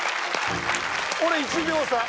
俺１秒差。